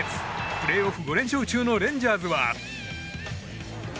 プレーオフ５連勝中のレンジャーズは。